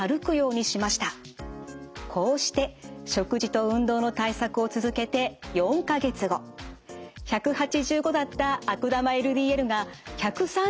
こうして食事と運動の対策を続けて４か月後１８５だった悪玉ＬＤＬが１３０にまで下がりました。